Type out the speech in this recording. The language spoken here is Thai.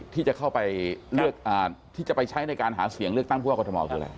ที่จะเข้าไปเลือกที่จะไปใช้ในการหาเสียงเลือกตั้งผู้ว่ากรทมคืออะไร